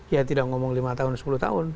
ya tidak ngomong lima tahun sepuluh tahun